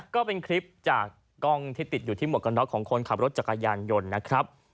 ก็เป็นคลิปจากกล้องที่ติดอยู่ที่หมวกกันน็อกของคนขับรถจักรยานยนต์นะครับ